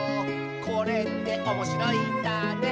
「これっておもしろいんだね」